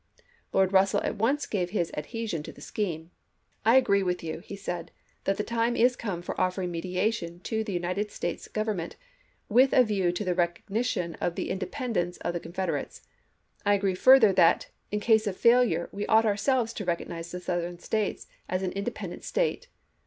Lord Russell at once gave his adhesion to the scheme. "I agree with you," he said, " that the time is come for offering media tion to the United States Government, with a view to the recognition of the independence of the Con federates. I agree further that, in case of failure, we ought ourselves to recognize the Southern States as an independent state."